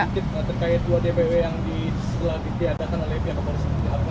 berdasarkan berikutnya terkait dua dpo yang diadakan oleh pihak kebarisan kejaksaan